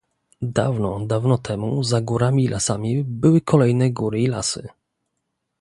Dawno, dawno temu, za górami i lasami były kolejne góry i lasy.